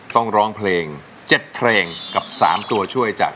ร้องเพลง๗เพลงกับ๓ตัวช่วยจาก